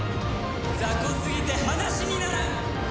雑魚すぎて話にならん！